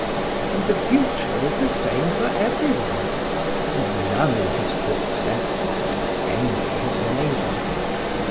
And the future was the same for every one, and none in his good senses could envy his neighbor.